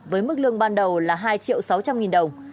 với mức lương ban đầu là hai triệu sáu trăm linh nghìn đồng